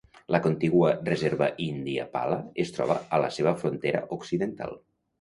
La contigua reserva índia Pala es troba a la seva frontera occidental.